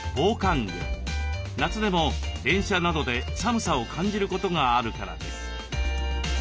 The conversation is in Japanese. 夏でも電車などで寒さを感じることがあるからです。